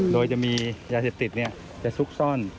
โดยจะมียาเสพติดจะซุกซ่อน